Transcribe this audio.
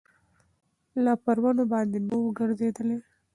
لا پر ونو باندي نه ووګرځېدلی